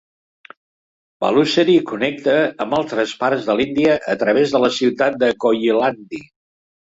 Balussery connecta amb altres parts de l'Índia a través de la ciutat de Koyilandy.